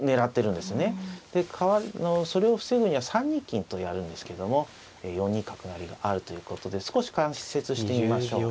でそれを防ぐには３二金とやるんですけども４二角成があるということで少し解説してみましょう。